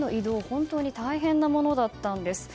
本当に大変なものだったんです。